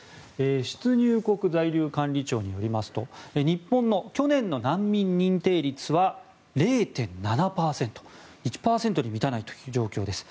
出入国在留管理庁によりますと日本の去年の難民認定率は０．７％１％に満たないという状況です。